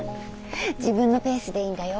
自分のペースでいいんだよ。